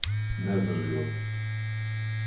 Не за живот.